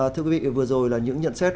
thưa quý vị vừa rồi là những nhận xét